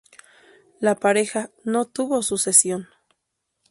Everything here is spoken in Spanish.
La pareja no tuvo sucesión.